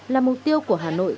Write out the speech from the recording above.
là mục tiêu của hà nội